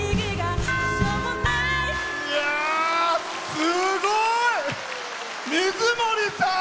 すごい！水森さん！